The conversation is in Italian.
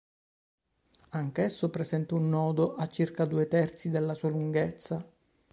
Anch'esso presenta un nodo a circa due terzi della sua lunghezza.